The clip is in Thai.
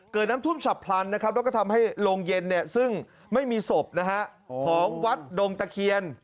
น้ำทุ่มฉับพลันนะครับแล้วก็ทำให้โรงเย็นซึ่งไม่มีศพนะฮะของวัดดงตะเคียน